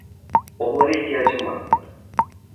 Onlara ihtiyacım var.